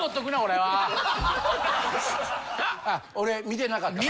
見てなかった？